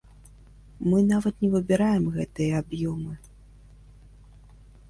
Мы нават не выбіраем гэтыя аб'ёмы.